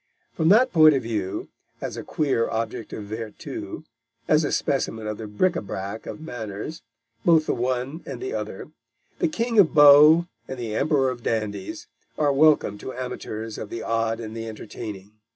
From that point of view, as a queer object of vertu, as a specimen of the bric à brac of manners, both the one and the other, the King of Beaux and the Emperor of Dandies, are welcome to amateurs of the odd and the entertaining.